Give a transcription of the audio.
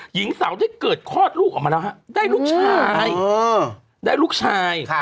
หญิงสาวที่เกิดคลอดลูกออกมาแล้วได้ลูกชาย